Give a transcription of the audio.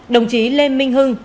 đồng chí lê minh hưng